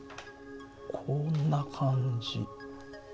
こんな感じ。